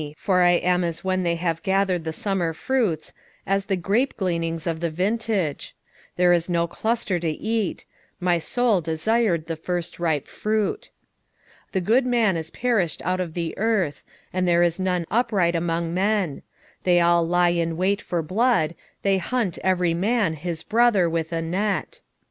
for I am as when they have gathered the summer fruits, as the grapegleanings of the vintage: there is no cluster to eat: my soul desired the firstripe fruit. 7:2 The good man is perished out of the earth: and there is none upright among men: they all lie in wait for blood; they hunt every man his brother with a net.